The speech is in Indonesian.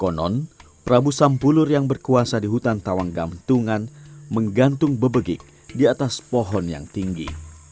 konon prabu sampulur yang berkuasa di hutan tawang gantungan menggantung bebegik di atas pohon yang tinggi